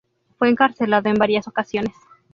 Fue encarcelado en varias ocasiones.